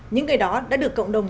những người đó đã được cộng đồng